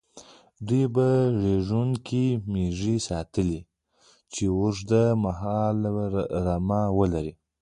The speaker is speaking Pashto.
دوی به زېږوونکې مېږې ساتلې، چې اوږد مهاله رمه ولري.